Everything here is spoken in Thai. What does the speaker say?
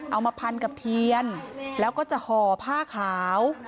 เอามาพันกับเทียนแล้วก็จะห่อผ้าขาว